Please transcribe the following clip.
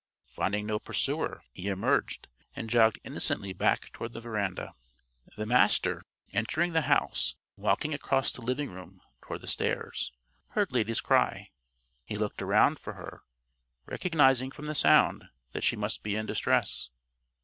Finding no pursuer, he emerged and jogged innocently back toward the veranda. The Master, entering the house and walking across the living room toward the stairs, heard Lady's cry. He looked around for her, recognizing from the sound that she must be in distress.